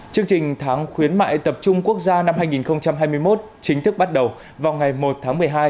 chương trình tháng khuyến mại tập trung quốc gia năm hai nghìn hai mươi một chính thức bắt đầu vào ngày một tháng một mươi hai